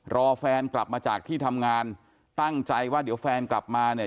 รอแฟนกลับมาจากที่ทำงานตั้งใจว่าเดี๋ยวแฟนกลับมาเนี่ย